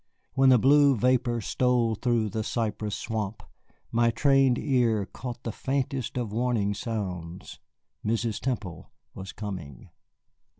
When the blue vapor stole through the cypress swamp, my trained ear caught the faintest of warning sounds. Mrs. Temple was coming.